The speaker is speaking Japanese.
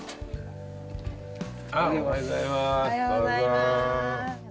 おはようございます。